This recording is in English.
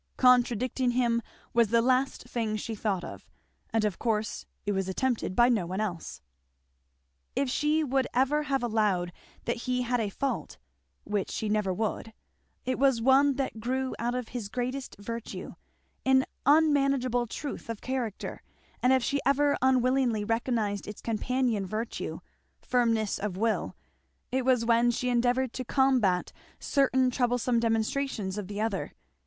Contradicting him was the last thing she thought of, and of course it was attempted by no one else. If she would ever have allowed that he had a fault, which she never would, it was one that grew out of his greatest virtue, an unmanageable truth of character; and if she ever unwillingly recognised its companion virtue, firmness of will, it was when she endeavoured to combat certain troublesome demonstrations of the other.